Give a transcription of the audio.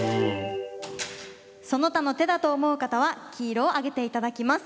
その他の手だと思う方は黄色を上げていただきます。